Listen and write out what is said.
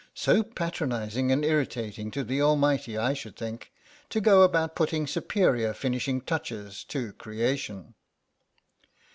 So patronising and irritating to the Almighty I should think, to go about putting superior finishing touches to Creation."